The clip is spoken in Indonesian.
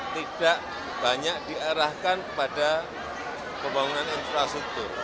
tidak banyak diarahkan kepada pembangunan infrastruktur